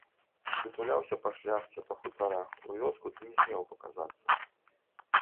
Ты туляўся па шляхце, па хутарах, у вёску ты не смеў паказацца.